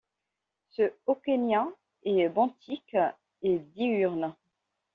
Ce Okenia est benthique et diurne.